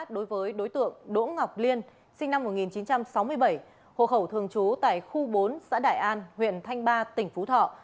đối với đối tượng đỗ ngọc liên sinh năm một nghìn chín trăm sáu mươi bảy hộ khẩu thường trú tại khu bốn xã đại an huyện thanh ba tỉnh phú thọ